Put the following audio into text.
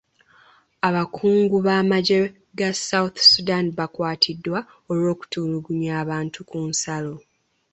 Abakungu b'amagye ga south Sudan baakwatiddwa olw'okutulugunya bantu ku nsalo.